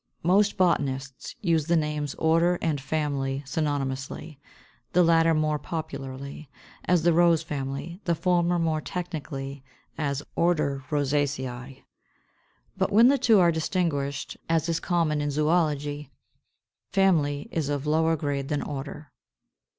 Most botanists use the names "Order" and "Family" synonymously; the latter more popularly, as "the Rose Family," the former more technically, as "Order Rosaceæ." 530. But when the two are distinguished, as is common in zoölogy, Family is of lower grade than Order.